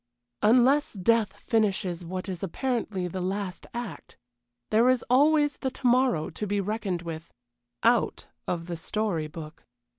Unless death finishes what is apparently the last act, there is always the to morrow to be reckoned with out of the story book.